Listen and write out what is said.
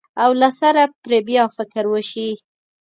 او له سره پرې بیا فکر وشي.